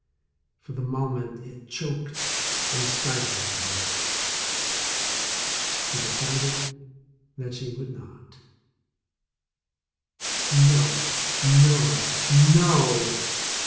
For the mo ment it choked and stifled her. She decided that she would not. No, no, no!